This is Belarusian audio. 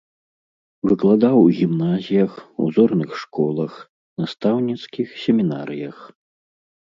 Выкладаў у гімназіях, узорных школах, настаўніцкіх семінарыях.